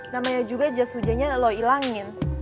namanya juga jas ujannya lo ilangin